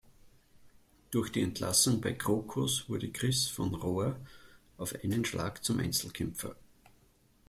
Durch die Entlassung bei Krokus wurde Chris von Rohr auf einen Schlag zum Einzelkämpfer.